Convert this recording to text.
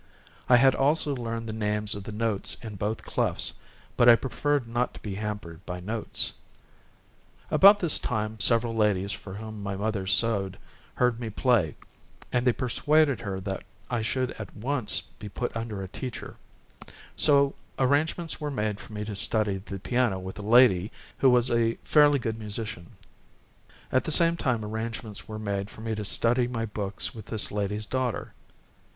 I had also learned the names of the notes in both clefs, but I preferred not to be hampered by notes. About this time several ladies for whom my mother sewed heard me play and they persuaded her that I should at once be put under a teacher; so arrangements were made for me to study the piano with a lady who was a fairly good musician; at the same time arrangements were made for me to study my books with this lady's daughter.